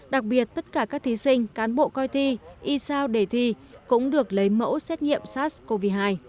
đặc biệt tất cả các thí sinh cán bộ coi thi y sao để thi cũng được lấy mẫu xét nghiệm sars cov hai